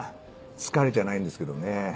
疲れちゃないんですけどね